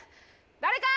誰か！